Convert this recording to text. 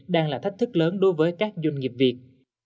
đang là thách thức lớn đối với các doanh nghiệp việt